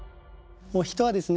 人はですね